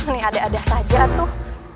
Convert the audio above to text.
nih ada ada saja tuh